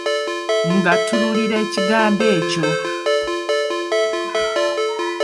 Ngattululira ekigambo ekyo.